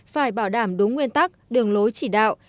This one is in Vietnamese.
phải bảo đảm đúng nguyên tắc đường lối chỉ đạo